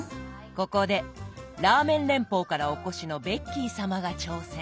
ここでラーメン連邦からお越しのベッキー様が挑戦。